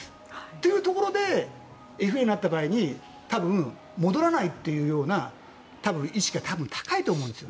そういったところでＦＡになった場合に多分、戻らないという意識が高いと思うんです。